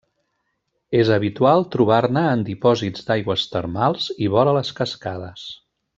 És habitual trobar-ne en dipòsits d'aigües termals i vora les cascades.